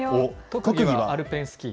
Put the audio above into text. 特技はアルペンスキー。